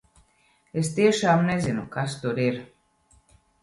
Es tiešām nezinu, kas tur ir!